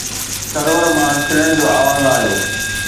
سرور مان کلڻ جو آواز آيو